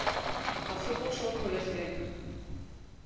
Пасу покшел куэж дек